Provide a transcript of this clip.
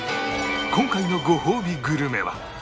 今回のごほうびグルメは